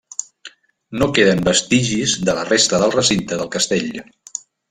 No queden vestigis de la resta del recinte del castell.